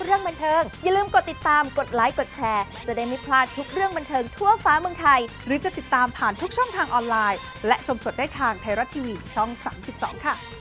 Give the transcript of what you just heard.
เออน้องเจ็ดหลักนะครับคุณผู้ชมโอเคคุณผู้ชม